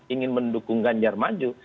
ingin mendukung ganjar maju